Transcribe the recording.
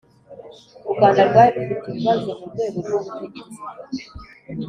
u rwanda rwari rufite ibibazo mu rwego rw'ubutegetsi